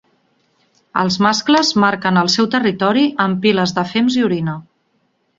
Els mascles marquen el seu territori amb piles de fems i orina.